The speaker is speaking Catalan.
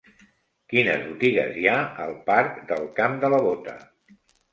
Quines botigues hi ha al parc del Camp de la Bota?